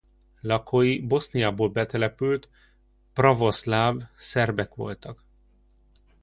Lakói Boszniából betelepült pravoszláv szerbek voltak.